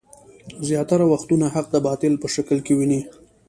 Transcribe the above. زياتره وختونه حق د باطل په شکل کې ويني.